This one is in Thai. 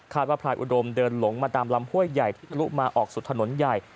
ว่าพลายอุดมเดินหลงมาตามลำห้วยใหญ่ที่ทะลุมาออกสู่ถนนใหญ่